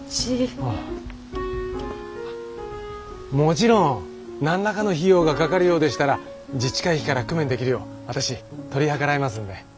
もちろん何らかの費用がかかるようでしたら自治会費から工面できるよう私取り計らいますので。